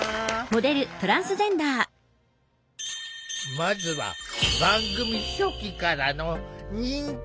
まずは番組初期からの人気企画！